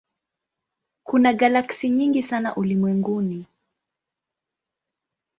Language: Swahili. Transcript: Kuna galaksi nyingi sana ulimwenguni.